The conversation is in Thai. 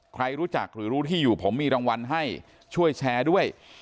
ใครรู้จักหรือรู้ที่อยู่ผมมีรางวัลให้ช่วยแชร์ด้วย